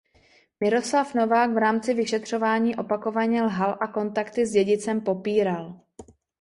Miroslav Novák v rámci vyšetřování opakovaně lhal a kontakty s Dědicem popíral.